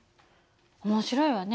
面白いわね。